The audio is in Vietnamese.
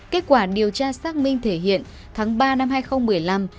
kết quả điều tra xác minh thể hiện tháng ba năm hai nghìn một mươi năm